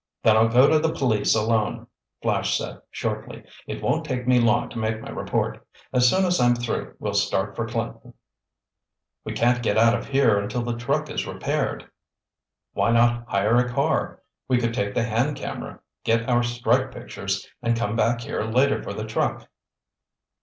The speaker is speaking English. "Then I'll go to the police alone," Flash said shortly. "It won't take me long to make my report. As soon as I'm through we'll start for Clinton." "We can't get out of here until the truck is repaired." "Why not hire a car? We could take the hand camera, get our strike pictures, and come back here later for the truck."